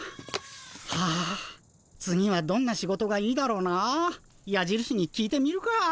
はあ次はどんな仕事がいいだろうな。やじるしに聞いてみるか。